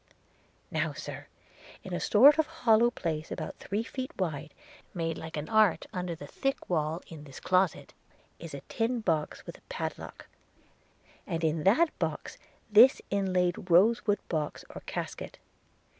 'Now, Sir, in a sort of hollow place about three feet wide, made like an arch under the thick wall in this closet, is a tin box with a padlock – and in that box this inlaid rose wood box or casket.